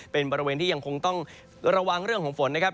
เป็นบริเวณที่ยังคงต้องระวังเรื่องของฝนนะครับ